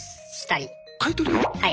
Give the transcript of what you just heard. はい。